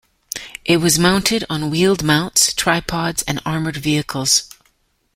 It was mounted on wheeled mounts, tripods and armored vehicles.